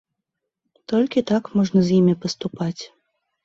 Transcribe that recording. Толькі так можна з імі паступаць.